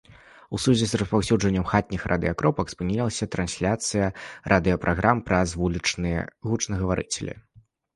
У сувязі з распаўсюджваннем хатніх радыёкропак спынілася трансляцыя радыёпраграм праз вулічныя гучнагаварыцелі.